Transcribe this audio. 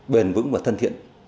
bền vững và thân thiện